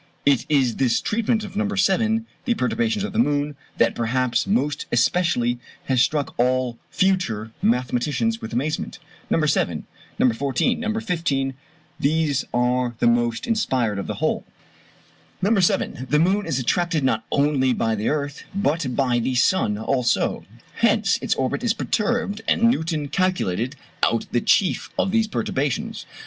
It is his treatment of No. 7, the perturbations of the moon, that perhaps most especially has struck all future mathematicians with amazement. No. 7, No. 14, No. 15, these are the most inspired of the whole. No. 7. The moon is attracted not only by the earth, but by the sun also; hence its orbit is perturbed, and Newton calculated out the chief of these perturbations.